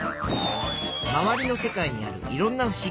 まわりの世界にあるいろんなふしぎ。